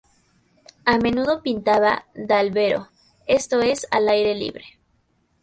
A menudo pintaba "dal vero", esto es, al aire libre.